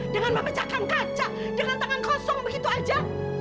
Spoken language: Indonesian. dengan memecahkan kaca dengan tangan kosong begitu saja